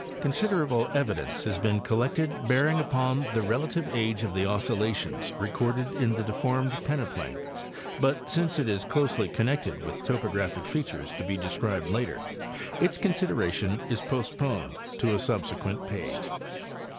Considerable evidence has been collected bearing upon the relative age of the oscillations recorded in the deformed pene plain, but since it is closely connected with topographic features to be described later its consideration is postponed to a subse quent page.